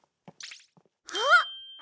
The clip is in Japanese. あっ！